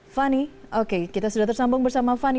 fani oke kita sudah tersambung bersama fani